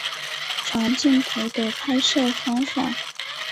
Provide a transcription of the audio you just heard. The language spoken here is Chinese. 长镜头的拍摄方法。